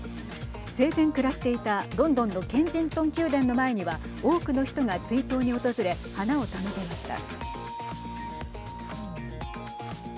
生前暮らしていたロンドンのケンジントン宮殿の前には多くの人が追悼に訪れ花を手向けました。